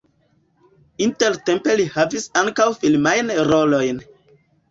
Intertempe li havis ankaŭ filmajn rolojn.